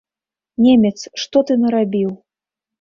Немец, што ты нарабіў!